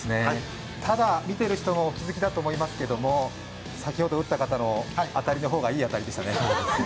ただ、見ている人もお気付きだと思いますが先ほど打った方の当たりの方がいい当たりでしたね。